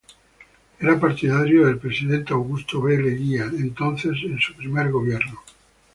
Era partidario del presidente Augusto B. Leguía, entonces en su primer gobierno.